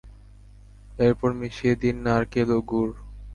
এরপর মিশিয়ে দিন নারকেল ও গুড়।